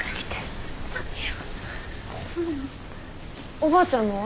おばあちゃんのは？